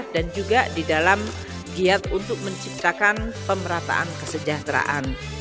dan juga di dalam giat untuk menciptakan pemerataan kesejahteraan